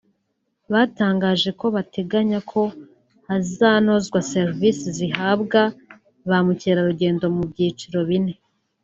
Batangaje ko bateganya ko hazanozwa serivisi zihabwa ba mukerarugendo mu byiciro bine